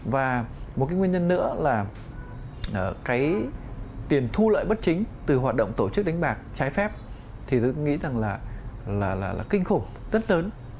và một nguyên nhân nữa là tiền thu lợi bất chính từ hoạt động tổ chức đánh bạc trái phép thì tôi nghĩ là kinh khủng rất lớn